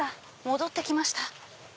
戻って来ました」。